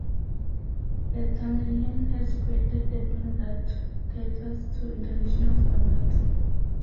A Tamilian has created a film that caters to international standards.